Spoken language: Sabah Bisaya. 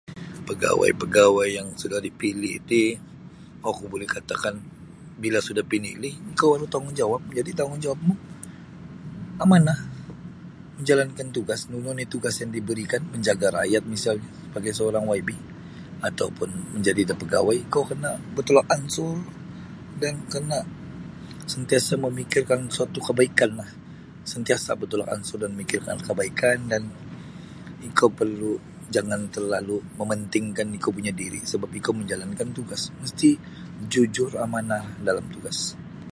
Pegawai-pegawai yang sudah dipilih ti oku buli katakan bila sudah pinilih ikou yang batanggungjawab jadi tanggung jawabmu amanah menjalankan tugas nunu oni' tugas yang diberikan menjaga' rakyat misalnyo sebagai seorang YB atau pun majadi da pegawai ikou kena' bertolak ansur dan kena' sentiasa' memikirkan suatu kebaikanlah sentiasa bertolak ansur dan memikirkan kebaikan dan ikou perlu' jangan terlalu' mementingkan ikou punya' diri' sebap ikou menjalankan tugas mesti' jujur amanah dalam tugas.